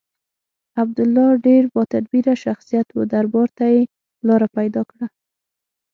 عبدالله ډېر با تدبیره شخصیت و دربار ته یې لاره پیدا کړه.